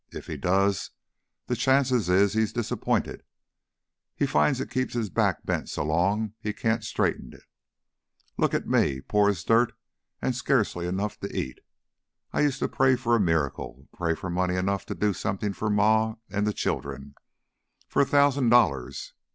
If he does, the chances is he's disappointed. He finds he's kep' his back bent so long he can't straighten it. Look at me pore as dirt an' scarcely enough to eat! I used to pray for a miracle; pray for money enough to do something for Ma an' the children for a thousan' dollars.